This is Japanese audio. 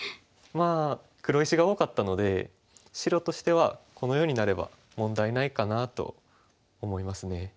まあ黒石が多かったので白としてはこのようになれば問題ないかなと思いますね。